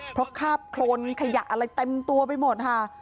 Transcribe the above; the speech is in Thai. เพราะคราบโครนขยะอะไรเต็มตัวไปหมดค่ะ